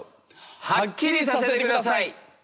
はっきりさせてください！